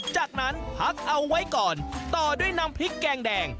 จากนั้นพักเอาไว้ก่อนต่อด้วยนำพริกแกงแดง